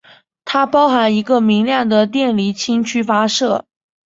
它包含一个明亮的电离氢区发射。